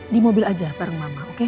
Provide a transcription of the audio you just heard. di mobil aja bareng mama